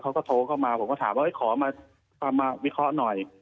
เขาก็โทรเข้ามาผมก็ถามว่าขอมาวิเคราะห์หน่อย